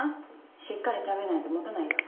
しっかり食べないと持たないよ。